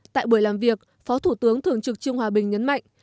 tại buổi làm việc phó thủ tướng thường trực trương hòa bình nhấn mạnh